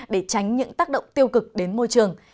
để tránh những tác động tiêu cực đến môi trường